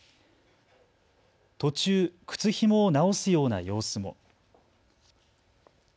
途中、靴ひもを直すような様子も。